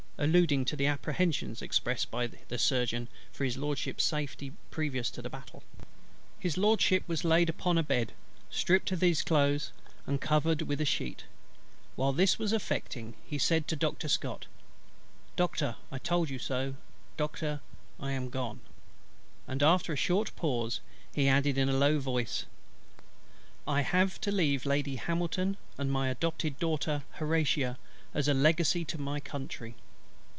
alluding to the apprehensions expressed by the Surgeon for His LORDSHIP's safety previous to the battle. His LORDSHIP was laid upon a bed, stripped of his clothes, and covered with a sheet. While this was effecting, he said to Doctor SCOTT, "Doctor, I told you so. Doctor, I am gone;" and after a short pause he added in a low voice, "I have to leave Lady HAMILTON, and my adopted daughter HORATIA, as a legacy to my Country."